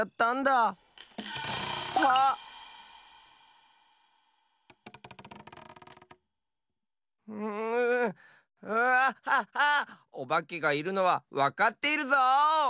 おばけがいるのはわかっているぞ。